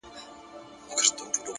صبر د اوږدو موخو تر ټولو قوي ملګری دی’